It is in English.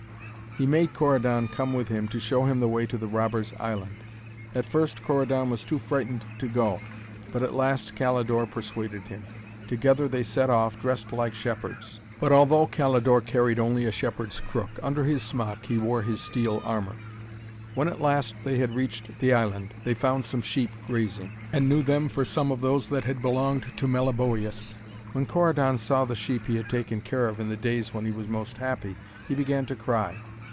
He made Corydon come with him to show him the way to the robbers' island. At first Corydon was too frightened to go, but at last Calidore persuaded him. Together they set off, dressed like shepherds. But although Calidore carried only a shepherd's crook, under his smock he wore his steel armour. When at last they had reached the island, they found some sheep grazing, and knew them for some of those that had belonged to Meliboeus. When Corydon saw the sheep he had taken care of in the days when he was most happy, he began to cry.